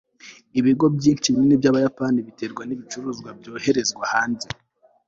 ibigo byinshi binini byabayapani biterwa nibicuruzwa byoherezwa hanze